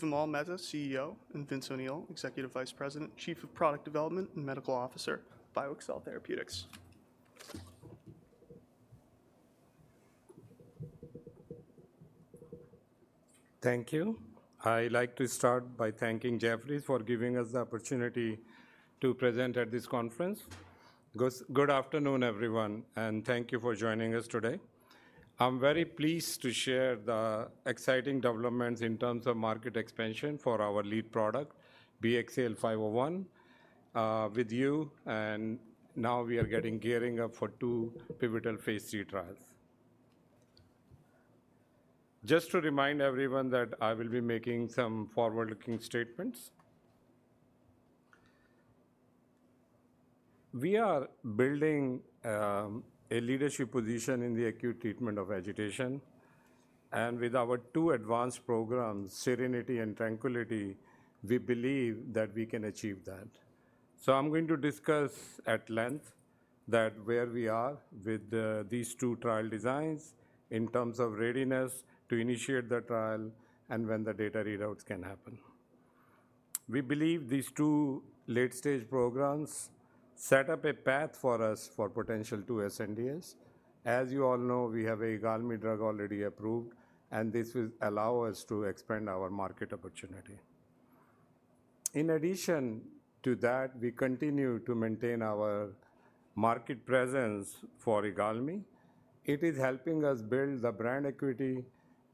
Vimal Mehta, CEO, and Vince O'Neill, Executive Vice President, Chief of Product Development and Medical Officer, BioXcel Therapeutics. Thank you. I like to start by thanking Jefferies for giving us the opportunity to present at this conference. Good afternoon, everyone, and thank you for joining us today. I'm very pleased to share the exciting developments in terms of market expansion for our lead product, BXCL501, with you, and now we are gearing up for two pivotal Phase 3 trials. Just to remind everyone that I will be making some forward-looking statements. We are building a leadership position in the acute treatment of agitation, and with our two advanced programs, SERENITY and TRANQUILITY, we believe that we can achieve that. So I'm going to discuss at length where we are with these two trial designs in terms of readiness to initiate the trial and when the data readouts can happen. We believe these two late-stage programs set up a path for us for potential two sNDAs. As you all know, we have an IGALMI drug already approved, and this will allow us to expand our market opportunity. In addition to that, we continue to maintain our market presence for IGALMI. It is helping us build the brand equity.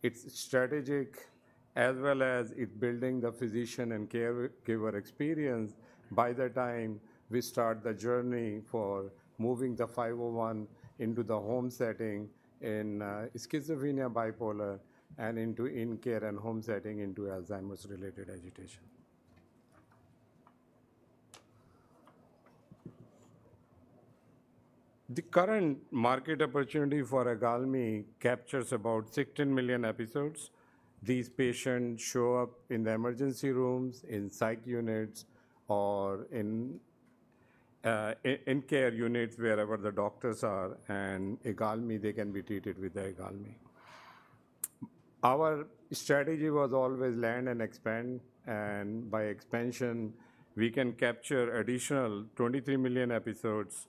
It's strategic, as well as it building the physician and caregiver experience by the time we start the journey for moving the 501 into the home setting in schizophrenia, bipolar, and into in-care and home setting into Alzheimer's-related agitation. The current market opportunity for IGALMI captures about 16 million episodes. These patients show up in the emergency rooms, in psych units, or in care units, wherever the doctors are, and IGALMI, they can be treated with the IGALMI. Our strategy was always learn and expand, and by expansion, we can capture additional 23 million episodes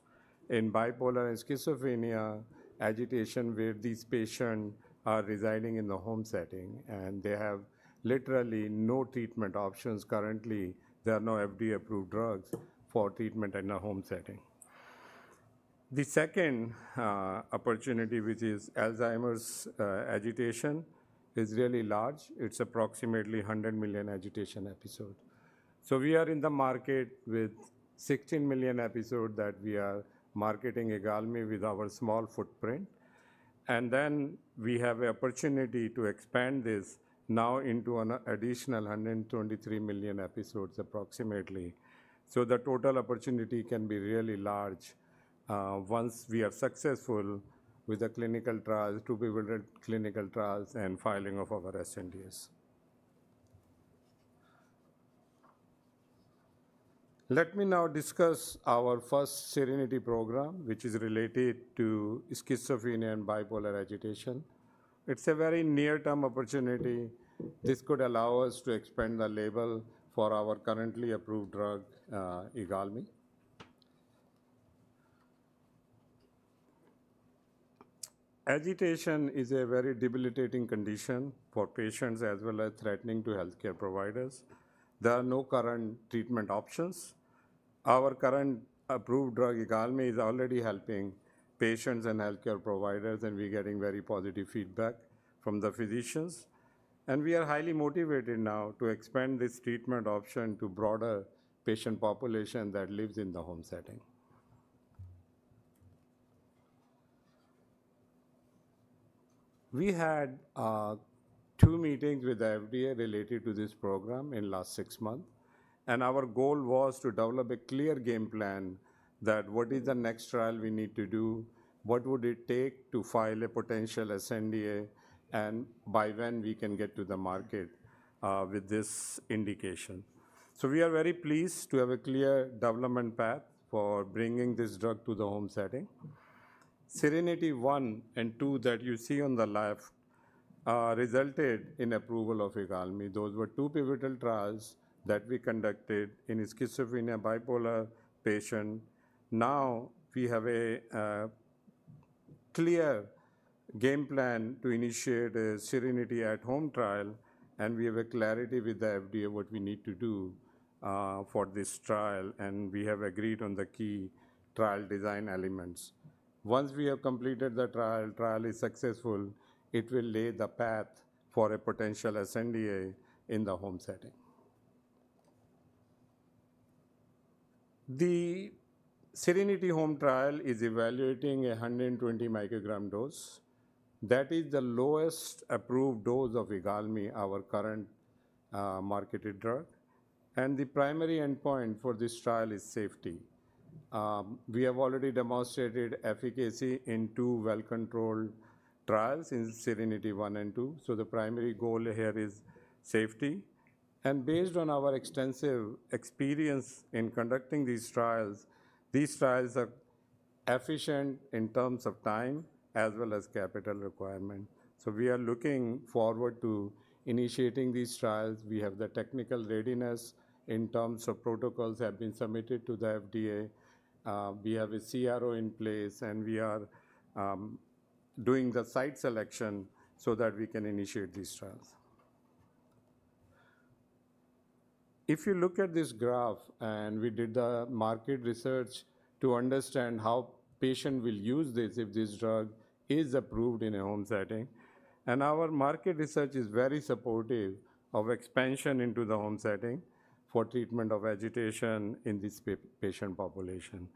in bipolar and schizophrenia agitation, where these patients are residing in the home setting, and they have literally no treatment options currently. There are no FDA-approved drugs for treatment in a home setting. The second opportunity, which is Alzheimer's agitation, is really large. It's approximately 100 million agitation episode. So we are in the market with 16 million episode that we are marketing IGALMI with our small footprint, and then we have an opportunity to expand this now into an additional 123 million episodes, approximately. So the total opportunity can be really large, once we are successful with the clinical trials, 2 pivotal clinical trials and filing of our sNDAs. Let me now discuss our first SERENITY program, which is related to schizophrenia and bipolar agitation. It's a very near-term opportunity. This could allow us to expand the label for our currently approved drug, IGALMI. Agitation is a very debilitating condition for patients, as well as threatening to healthcare providers. There are no current treatment options. Our current approved drug, IGALMI, is already helping patients and healthcare providers, and we're getting very positive feedback from the physicians, and we are highly motivated now to expand this treatment option to broader patient population that lives in the home setting. We had, two meetings with the FDA related to this program in last six months, and our goal was to develop a clear game plan that what is the next trial we need to do, what would it take to file a potential sNDA, and by when we can get to the market, with this indication. So we are very pleased to have a clear development path for bringing this drug to the home setting. SERENITY I and II, that you see on the left, resulted in approval of IGALMI. Those were two pivotal trials that we conducted in schizophrenia, bipolar patient. Now, we have a clear game plan to initiate a SERENITY At-Home trial, and we have a clarity with the FDA what we need to do for this trial, and we have agreed on the key trial design elements. Once we have completed the trial, trial is successful, it will lay the path for a potential sNDA in the home setting. The SERENITY At-Home trial is evaluating 120 microgram dose. That is the lowest approved dose of IGALMI, our current, marketed drug, and the primary endpoint for this trial is safety. We have already demonstrated efficacy in two well-controlled trials in SERENITY One and Two, so the primary goal here is safety, and based on our extensive experience in conducting these trials, these trials are efficient in terms of time as well as capital requirement. So we are looking forward to initiating these trials. We have the technical readiness in terms of protocols have been submitted to the FDA. We have a CRO in place, and we are doing the site selection so that we can initiate these trials. If you look at this graph, and we did the market research to understand how patient will use this if this drug is approved in a home setting, and our market research is very supportive of expansion into the home setting for treatment of agitation in this patient population.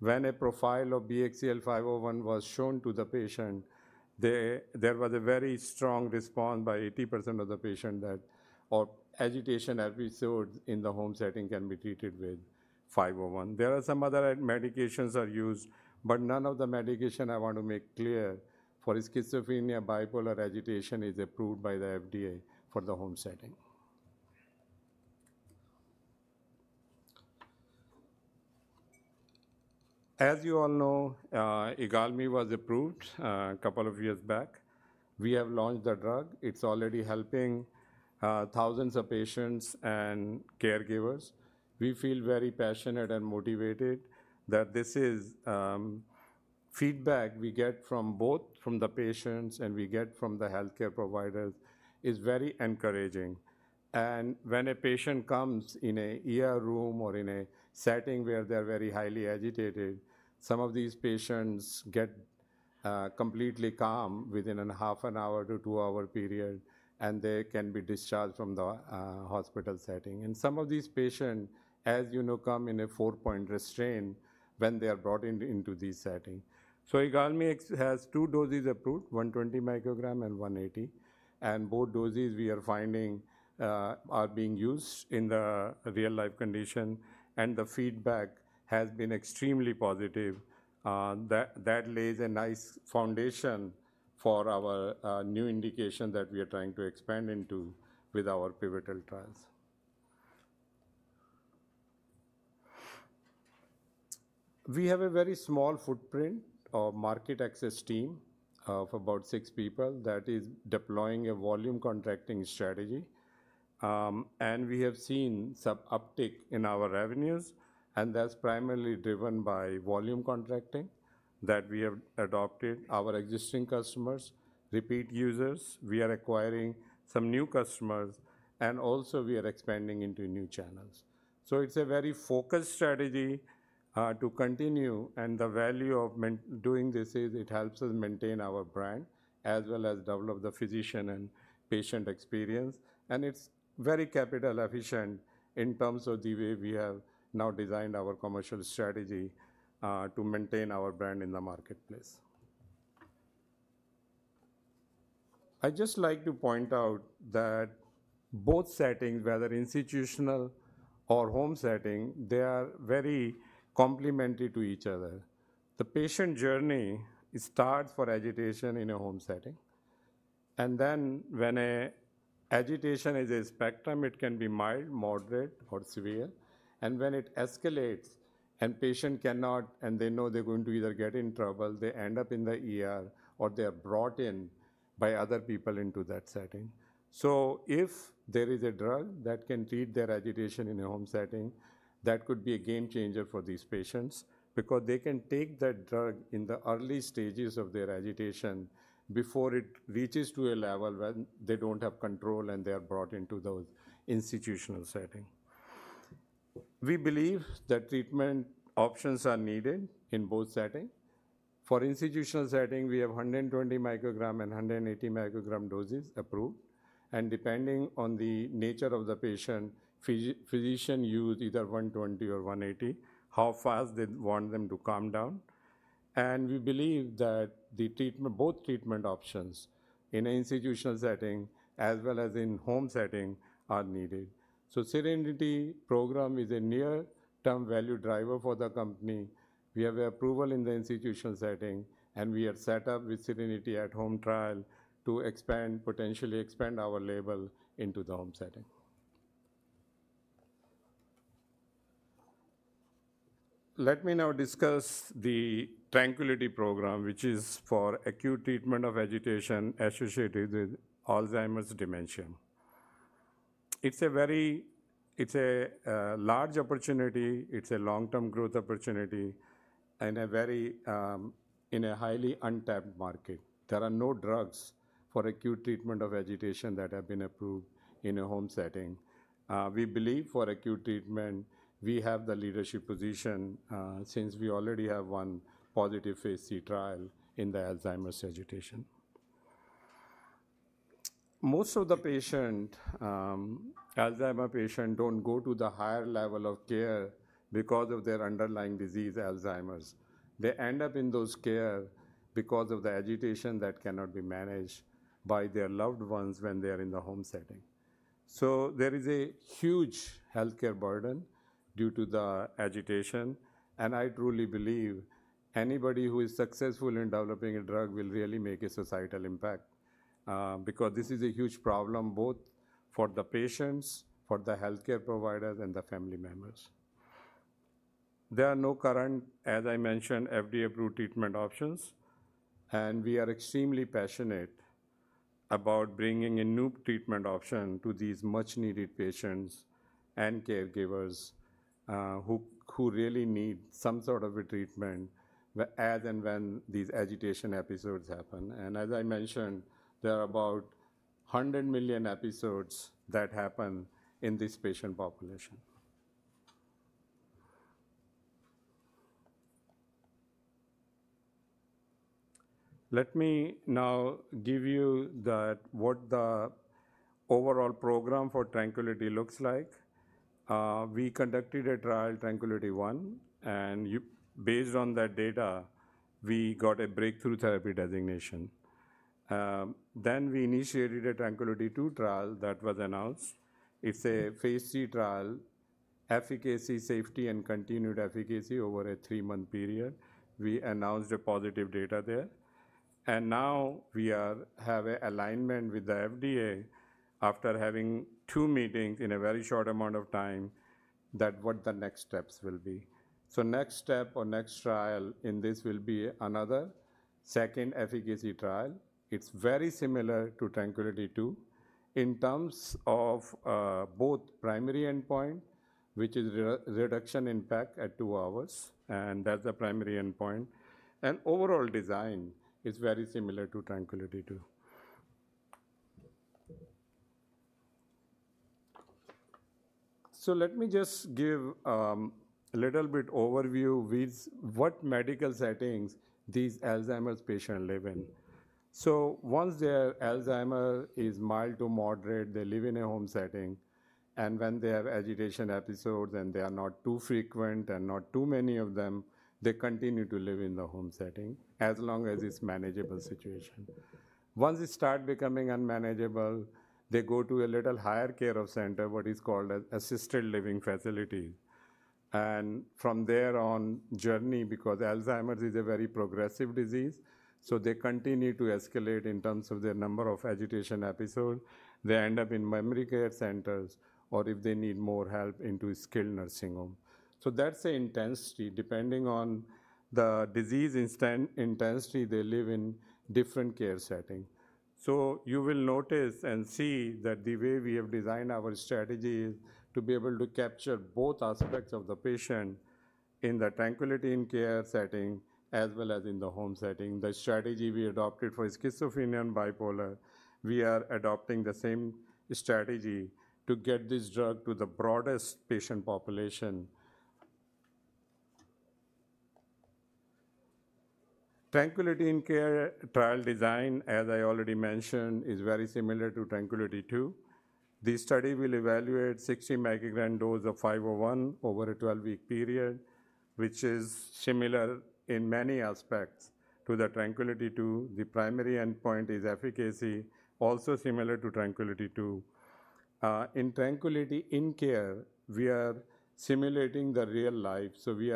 When a profile of BXCL501 was shown to the patient, there was a very strong response by 80% of the patient that... or agitation episodes in the home setting can be treated with 501. There are some other medications are used, but none of the medication, I want to make clear, for schizophrenia, bipolar agitation, is approved by the FDA for the home setting. As you all know, IGALMI was approved a couple of years back. We have launched the drug. It's already helping thousands of patients and caregivers. We feel very passionate and motivated that this is... Feedback we get from both from the patients and we get from the healthcare providers is very encouraging. When a patient comes in an ER room or in a setting where they're very highly agitated, some of these patients get completely calm within a half an hour to two-hour period, and they can be discharged from the hospital setting. Some of these patients, as you know, come in a four-point restraint when they are brought into this setting. IGALMI has two doses approved, 120 microgram and 180, and both doses we are finding are being used in the real-life condition, and the feedback has been extremely positive. That lays a nice foundation for our new indication that we are trying to expand into with our pivotal trials. We have a very small footprint of market access team of about six people that is deploying a volume contracting strategy. And we have seen some uptick in our revenues, and that's primarily driven by volume contracting that we have adopted our existing customers, repeat users. We are acquiring some new customers, and also we are expanding into new channels. So it's a very focused strategy to continue, and the value of doing this is it helps us maintain our brand, as well as develop the physician and patient experience. And it's very capital efficient in terms of the way we have now designed our commercial strategy to maintain our brand in the marketplace. I'd just like to point out that both settings, whether institutional or home setting, they are very complementary to each other. The patient journey starts for agitation in a home setting, and then when a agitation is a spectrum, it can be mild, moderate or severe, and when it escalates and patient cannot... They know they're going to either get in trouble, they end up in the ER, or they are brought in by other people into that setting. So if there is a drug that can treat their agitation in a home setting, that could be a game changer for these patients because they can take that drug in the early stages of their agitation before it reaches to a level when they don't have control, and they are brought into those institutional settings. We believe that treatment options are needed in both settings. For institutional settings, we have 120 microgram and 180 microgram doses approved, and depending on the nature of the patient, physicians use either 120 or 180, how fast they want them to calm down. And we believe that the treatment, both treatment options in an institutional setting as well as in home setting, are needed. So Serenity program is a near-term value driver for the company. We have approval in the institutional setting, and we have set up with Serenity at Home trial to expand, potentially expand our label into the home setting. Let me now discuss the Tranquility program, which is for acute treatment of agitation associated with Alzheimer's dementia. It's a very large opportunity. It's a long-term growth opportunity and a very in a highly untapped market. There are no drugs for acute treatment of agitation that have been approved in a home setting. We believe for acute treatment, we have the leadership position, since we already have one positive Phase 3 trial in the Alzheimer's agitation. Most of the patients, Alzheimer's patients, don't go to the higher level of care because of their underlying disease, Alzheimer's. They end up in those care because of the agitation that cannot be managed by their loved ones when they are in the home setting. So there is a huge healthcare burden due to the agitation, and I truly believe anybody who is successful in developing a drug will really make a societal impact, because this is a huge problem both for the patients, for the healthcare providers, and the family members. There are no current, as I mentioned, FDA-approved treatment options, and we are extremely passionate about bringing a new treatment option to these much-needed patients and caregivers, who really need some sort of a treatment, as and when these agitation episodes happen. And as I mentioned, there are about 100 million episodes that happen in this patient population. Let me now give you the, what the overall program for TRANQUILITY looks like. We conducted a trial, TRANQUILITY I, and based on that data, we got a breakthrough therapy designation. Then we initiated a TRANQUILITY II trial that was announced. It's a Phase 3 trial, efficacy, safety, and continued efficacy over a three-month period. We announced the positive data there, and now we are, have a alignment with the FDA after having 2 meetings in a very short amount of time, that what the next steps will be. So next step or next trial in this will be another second efficacy trial. It's very similar to TRANQUILITY II in terms of both primary endpoint, which is reduction in PEC at two hours, and that's the primary endpoint, and overall design is very similar to TRANQUILITY II. So let me just give a little bit overview with what medical settings these Alzheimer's patient live in. So once their Alzheimer is mild to moderate, they live in a home setting, and when they have agitation episodes, and they are not too frequent and not too many of them, they continue to live in the home setting as long as it's manageable situation. Once it start becoming unmanageable, they go to a little higher care of center, what is called an assisted living facility, and from there on, journey, because Alzheimer's is a very progressive disease, so they continue to escalate in terms of their number of agitation episode. They end up in memory care centers, or if they need more help, into skilled nursing home. So that's the intensity. Depending on the disease intensity, they live in different care setting. So you will notice and see that the way we have designed our strategy is to be able to capture both aspects of the patient in the TRANQUILITY In-Care setting, as well as in the home setting. The strategy we adopted for schizophrenia and bipolar, we are adopting the same strategy to get this drug to the broadest patient population. TRANQUILITY In-Care trial design, as I already mentioned, is very similar to TRANQUILITY II. This study will evaluate 60-microgram dose of 501 over a 12-week period, which is similar in many aspects to the TRANQUILITY II. The primary endpoint is efficacy, also similar to TRANQUILITY II. In TRANQUILITY In-Care, we are simulating the real-life, so we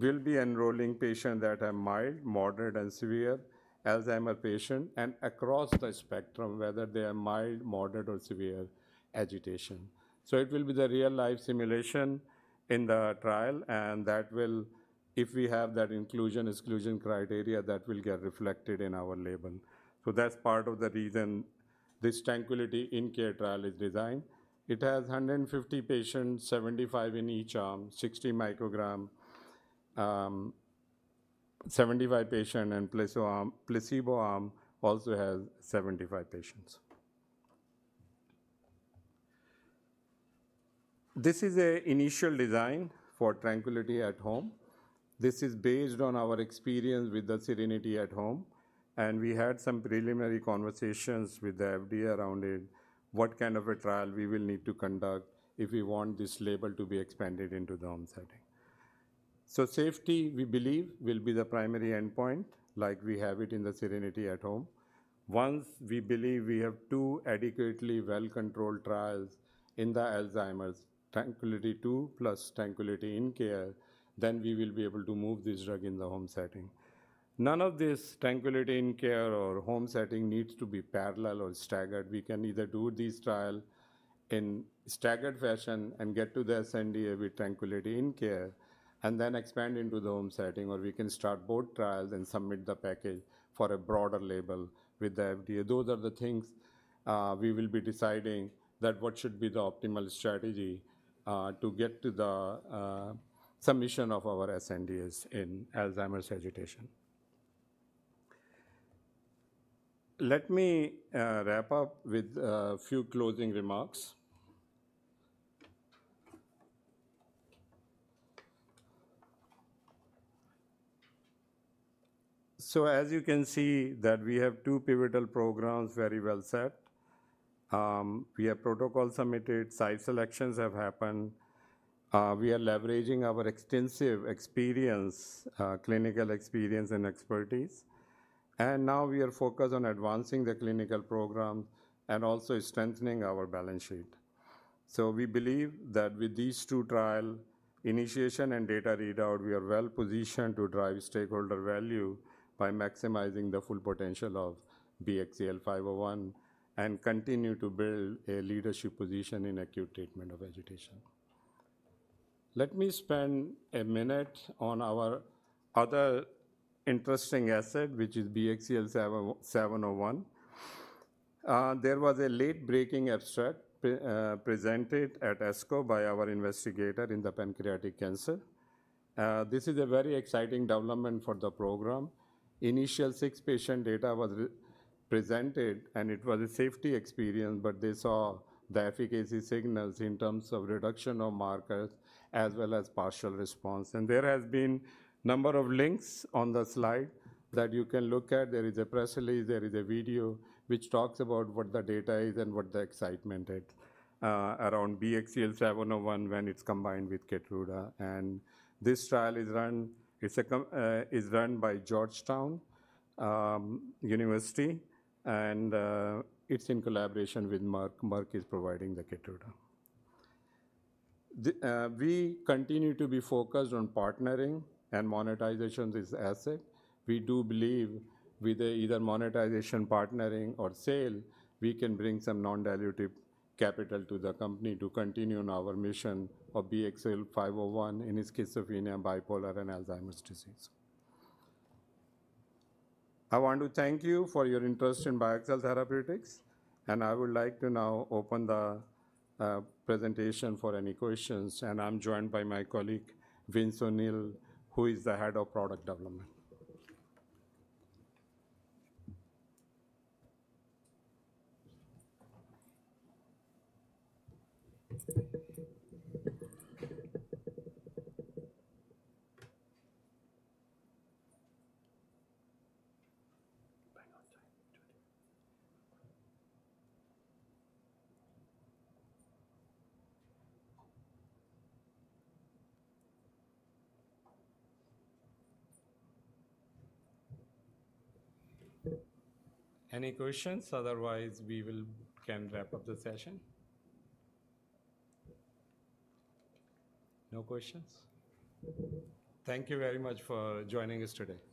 will be enrolling patients that are mild, moderate, and severe Alzheimer's patients, and across the spectrum, whether they are mild, moderate, or severe agitation. So it will be the real-life simulation in the trial, and that will, if we have that inclusion, exclusion criteria, that will get reflected in our label. So that's part of the reason this TRANQUILITY In-Care trial is designed. It has 150 patients, 75 in each arm, 60 microgram, 75 patients in placebo arm. Placebo arm also has 75 patients. This is an initial design for TRANQUILITY At-Home. This is based on our experience with the SERENITY At-Home, and we had some preliminary conversations with the FDA around it, what kind of a trial we will need to conduct if we want this label to be expanded into the home setting. So safety, we believe, will be the primary endpoint, like we have it in the SERENITY At-Home. Once we believe we have two adequately well-controlled trials in the Alzheimer's, TRANQUILITY II plus TRANQUILITY In-Care, then we will be able to move this drug in the home setting. None of this TRANQUILITY In-Care or home setting needs to be parallel or staggered. We can either do this trial in staggered fashion and get to the sNDA with TRANQUILITY In-Care and then expand into the home setting, or we can start both trials and submit the package for a broader label with the FDA. Those are the things we will be deciding that what should be the optimal strategy to get to the submission of our sNDAs in Alzheimer's agitation. Let me wrap up with a few closing remarks. So as you can see, that we have two pivotal programs very well set. We have protocol submitted, site selections have happened. We are leveraging our extensive experience, clinical experience and expertise, and now we are focused on advancing the clinical program and also strengthening our balance sheet. So we believe that with these two trial initiation and data readout, we are well-positioned to drive stakeholder value by maximizing the full potential of BXCL501 and continue to build a leadership position in acute treatment of agitation. Let me spend a minute on our other interesting asset, which is BXCL701. There was a late-breaking abstract presented at ASCO by our investigator in the pancreatic cancer. This is a very exciting development for the program. Initial 6 patient data was re-presented, and it was a safety experience, but they saw the efficacy signals in terms of reduction of markers as well as partial response. And there has been number of links on the slide that you can look at. There is a press release. There is a video which talks about what the data is and what the excitement is around BXCL701 when it's combined with Keytruda. And this trial is run. It's a com- is run by Georgetown University, and it's in collaboration with Merck. Merck is providing the Keytruda. The we continue to be focused on partnering and monetization this asset. We do believe with either monetization, partnering, or sale, we can bring some non-dilutive capital to the company to continue on our mission of BXCL501 in schizophrenia, bipolar, and Alzheimer's disease. I want to thank you for your interest in BioXcel Therapeutics, and I would like to now open the presentation for any questions, and I'm joined by my colleague, Vince O'Neill, who is the head of product development. Any questions? Otherwise, we can wrap up the session. No questions? Thank you very much for joining us today.